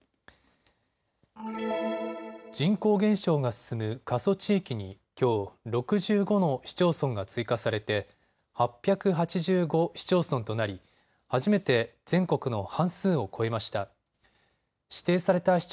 人口減少が進む過疎地域にきょう、６５の市町村が追加されて８８５市町村となり初めて全国の半数を超えました。